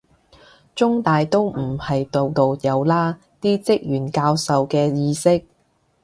中大都唔係度度有啦，啲職員教授嘅意識